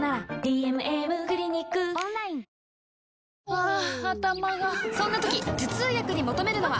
ハァ頭がそんな時頭痛薬に求めるのは？